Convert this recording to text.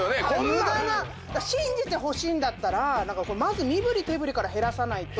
無駄信じてほしいんだったらまず身ぶり手ぶりから減らさないと。